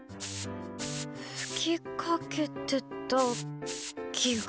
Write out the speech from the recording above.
吹きかけてた気が。